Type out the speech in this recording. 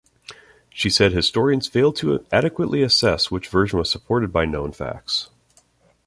She said historians failed to adequately assess which version was supported by known facts.